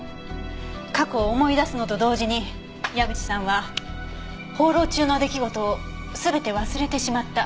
過去を思い出すのと同時に矢口さんは放浪中の出来事を全て忘れてしまった。